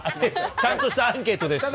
ちゃんとしたアンケートですね。